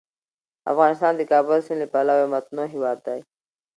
افغانستان د کابل سیند له پلوه یو متنوع هیواد دی.